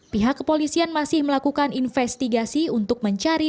pihak kepolisian masih melakukan investigasi untuk mencari